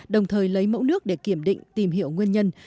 đồng thời lấy mẫu nước để kiểm định tìm hiểu nguyên nhân